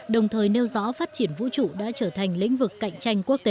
đồng thời nêu rõ phát triển vũ trụ đã trở thành lĩnh vực cạnh tranh quốc tế